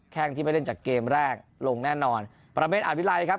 แค่งที่ไม่เล่นจากเกมแรกลงแน่นอนประเมฆอาวิลัยครับ